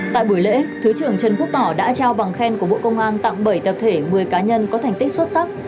tại buổi lễ thứ trưởng trần quốc tỏ đã trao bằng khen của bộ công an tặng bảy tập thể một mươi cá nhân có thành tích xuất sắc